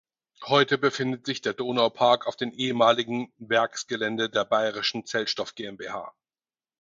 Heute befindet sich der Donau Park auf den ehemaligen Werksgelände der Bayerischen Zellstoff GmbH.